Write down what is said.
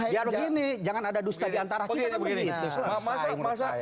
jadi maksud saya jangan ada dusta di antara kita